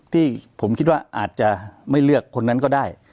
ที่ผมคิดว่าอาจจะไม่เลือกคนนั้นก็ได้